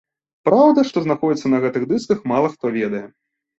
Праўда, што знаходзіцца на гэтых дысках мала хто ведае.